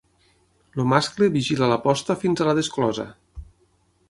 El mascle vigila la posta fins a la desclosa.